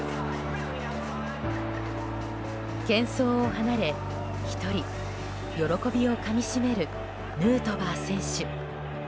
喧騒を離れ、１人喜びをかみ締める、ヌートバー選手。